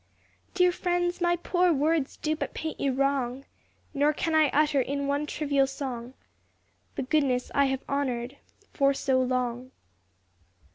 Dear friends, my poor words do but paint you wrong, Nor can I utter, in one trivial song, The goodness I have honored for so long.